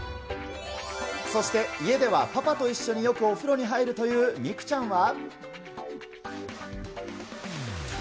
そして、家ではパパと一緒によくお風呂に入るという三九ちゃんは。